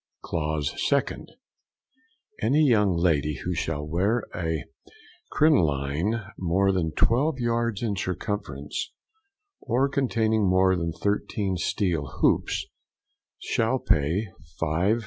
Clause 2nd. Any young lady who shall wear a crinoline more than twelve yards in circumference, or containing more than thirteen steel hoops, shall pay 5s.